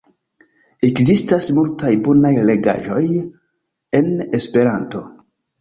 Ekzistas multaj bonaj legaĵoj en Esperanto.